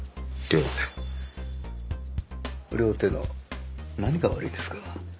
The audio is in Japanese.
両手の何が悪いんですか？